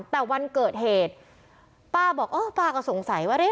แต่วันเกิดเหตุป้าบอกเออป้าก็สงสัยว่า